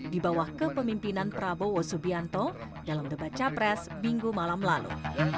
di bawah kepemimpinan prabowo subianto dalam debat capres minggu malam lalu